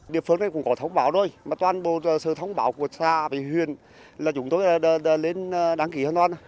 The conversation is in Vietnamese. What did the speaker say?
địa phương này cũng có thông báo rồi mà toàn bộ sự thông báo của xã hà tĩnh là chúng tôi đã lên đáng kỳ hơn toàn